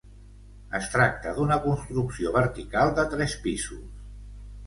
Es tracta d'una construcció vertical de tres pisos.